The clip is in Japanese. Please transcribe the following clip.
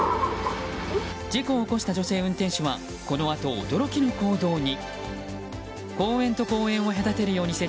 事故を起こした女性運転手はこのあと、驚きの行動に。